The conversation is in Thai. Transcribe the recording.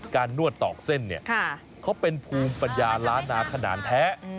นวดตอกเส้นเนี่ยเขาเป็นภูมิปัญญาล้านนาขนาดแท้